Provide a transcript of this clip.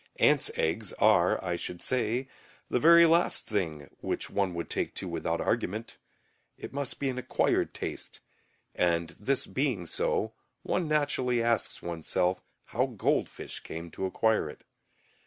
Ants' eggs are, I should say, the very last thing which one would take to without argument. It must be an acquired taste, and, this being so, one naturally asks oneself how goldfish came to acquire it.